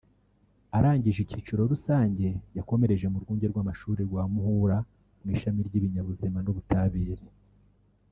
arangije icyiciro rusange yakomereje mu rwunge rw’amashuri rwa Muhura mu ishami ry’ibinyabuzima n’ubutabire